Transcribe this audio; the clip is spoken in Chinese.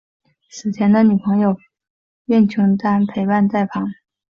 死前的女朋友苑琼丹陪伴在旁。